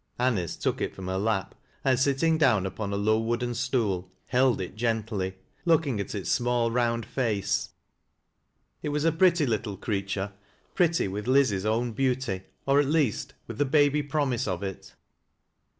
A nice took it from her lap, and sitting down uj on a low wooden stool, held it gently, looking at its small round fact It was a pretty little creature, pretty with LizV own >eauty, or at least, with the baby promise of it.